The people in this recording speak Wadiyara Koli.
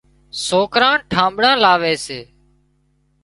سوڪران ٺانۮڙان لاوي سي